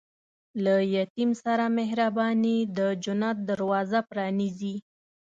له یتیم سره مهرباني، د جنت دروازه پرانیزي.